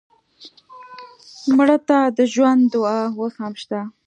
مړه ته د ژوند دعا اوس هم شته